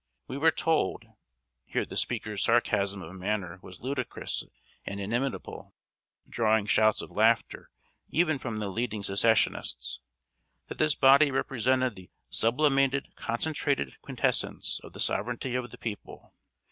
We were told (here the speaker's sarcasm of manner was ludicrous and inimitable, drawing shouts of laughter even from the leading Secessionists) that this body represented the "sublimated, concentrated quintessence of the sovereignty of the people!"